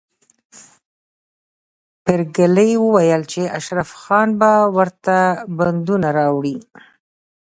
پريګلې وویل چې اشرف خان به ورته بندونه راوړي